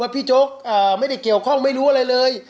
โจ๊กไม่ได้เกี่ยวข้องไม่รู้อะไรเลย